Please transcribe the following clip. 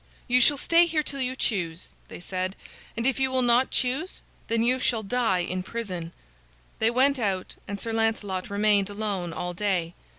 "You shall stay here till you choose," they said. "And if you will not choose, then you shall die in prison." They went out, and Sir Lancelot remained alone all day.